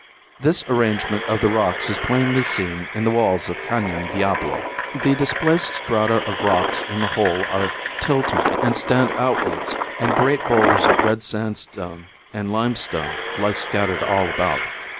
This arrangement of the rocks is plainly seen in the walls of Canon Diablo. The displaced strata of rocks in the hole are tilted and stand outwards and great boulders of red sandstone and limestone lie scattered all about.